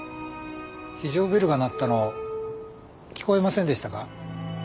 非常ベルが鳴ったの聞こえませんでしたか？